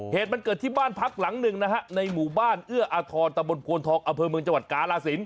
เหตุมันเกิดที่บ้านพักหลังหนึ่งนะฮะในหมู่บ้านเอื้ออาทรตะบนโพนทองอำเภอเมืองจังหวัดกาลาศิลป